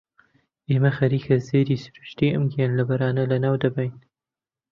ئێمە خەریکە زێدی سروشتیی ئەم گیانلەبەرانە لەناو دەبەین.